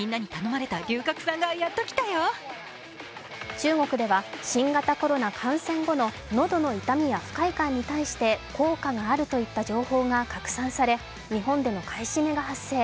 中国では新型コロナ感染後の喉の痛みや不快感に対して効果があるといった情報が拡散され日本での買い占めが発生。